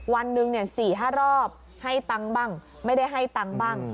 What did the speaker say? วันหนึ่ง๔๕รอบให้ตังค์บ้างไม่ได้ให้ตังค์บ้าง